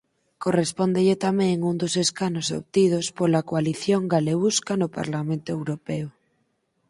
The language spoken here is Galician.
Correspóndelle tamén un dos escanos obtidos pola coalición Galeusca no Parlamento Europeo.